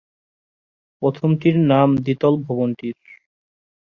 প্রথমটির নাম দ্বিতল ভবনটির।